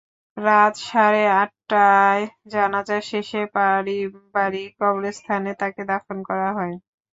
রাত সাড়ে আটটায় জানাজা শেষে পারিবারিক কবরস্থানে তাঁকে দাফন করা হয়।